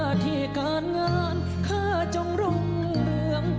ข้าที่การงานข้าจงร่วงเรือง